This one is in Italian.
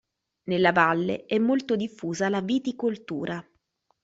Nella valle è molto diffusa la viticoltura.